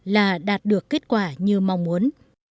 là đạt được kết quả như mong muốn